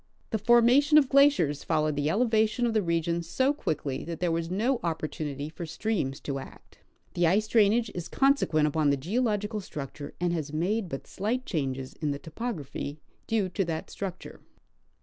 The formation of glaciers followed the ele vation of the region so quickly, that there was no opportunity for streams to act. The ice drainage is consequent upon the geological structure, and has made but slight changes in the topography due to that structure.